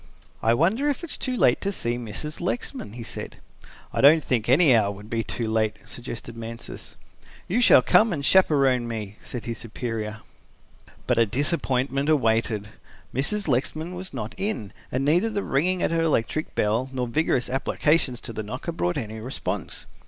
"I wonder if it is too late to see Mrs. Lexman," he said. "I don't think any hour would be too late," suggested Mansus. "You shall come and chaperon me," said his superior. But a disappointment awaited. Mrs. Lexman was not in and neither the ringing at her electric bell nor vigorous applications to the knocker brought any response.